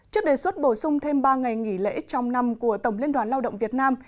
trước đề xuất bổ sung thêm ba ngày nghỉ lễ trong năm của tổng liên đoàn lao động việt nam